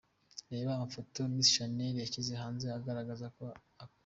Reba amafoto Miss Shanel yashyize hanze agaragaza ko akuriwe.